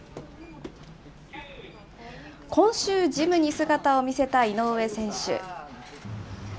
今週、ジムに姿を見せた井上選手。